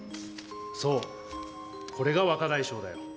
そう、これが若大将だよ。